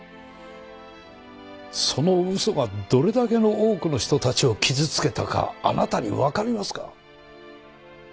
その嘘がどれだけの多くの人たちを傷つけたかあなたにわかりますか？